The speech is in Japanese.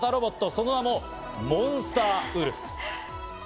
その名もモンスターウルフ。